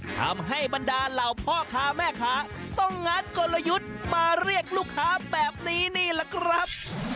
ทำให้บรรดาเหล่าพ่อค้าแม่ค้าต้องงัดกลยุทธ์มาเรียกลูกค้าแบบนี้นี่แหละครับ